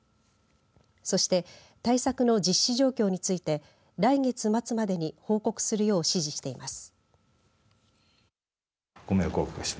そして、対策の実施状況について来月末までに報告するよう指示しています。